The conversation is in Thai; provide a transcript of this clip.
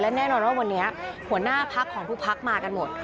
แน่นอนว่าวันนี้หัวหน้าพักของทุกพักมากันหมด